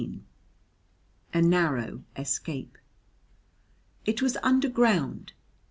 A Narrow Escape It was underground.